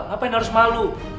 ngapain harus malu